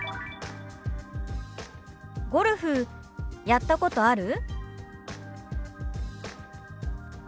「ゴルフやったことある？」。